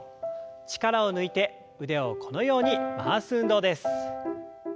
力を抜いて腕をこのように回す運動です。